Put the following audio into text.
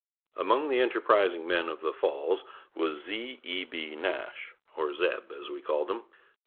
Among the enterprising men of the Falls was Z. E. B. Nash, or "Zeb" as we called him.